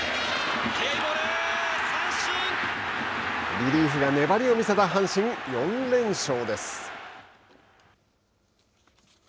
リリーフが粘りを見せた阪神４連勝です。